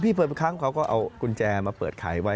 พี่เปิดเป็นครั้งเขาก็เอากุญแจมาเปิดไขไว้